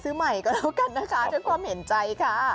ซื้อใหม่ก็แล้วกันนะคะด้วยความเห็นใจค่ะ